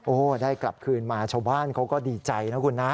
โอ้โหได้กลับคืนมาชาวบ้านเขาก็ดีใจนะคุณนะ